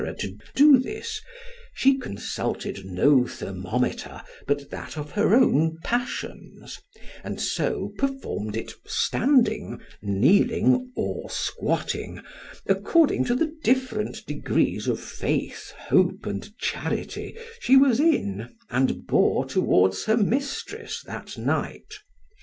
to do this——she consulted no thermometer but that of her own passions; and so performed it standing—kneeling—or squatting, according to the different degrees of faith, hope, and charity, she was in, and bore towards her mistress that night.